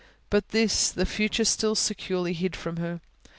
But this, the future still securely hid from her.